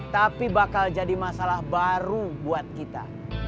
tapi bakal jadi masalah baru buat kita